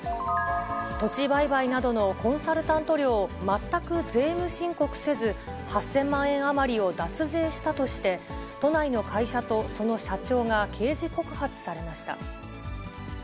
土地売買などのコンサルタント料を全く税務申告せず、８０００万円余りを脱税したとして、都内の会社とその社長が刑事告発されました。